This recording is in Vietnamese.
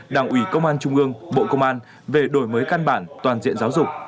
đảng ủy công an trung ương bộ công an về đổi mới căn bản toàn diện giáo dục